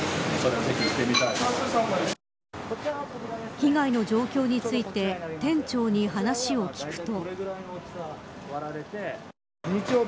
被害の状況について店長に話を聞くと。